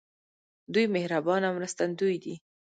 دوی مهربان او مرستندوی دي.